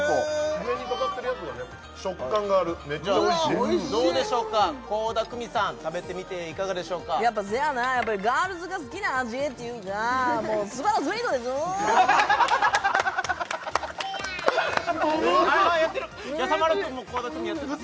上にかかってるやつが食感があるメッチャおいしいどうでしょうか倖田來未さん食べてみていかがでしょうかやっぱせやなやっぱりガールズが好きな味っていうかもうすばらスウィートですぅああやってる！